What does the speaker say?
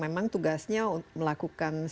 memang tugasnya melakukan